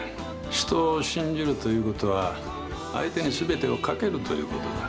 人を信じるということは相手に全てをかけるということだ。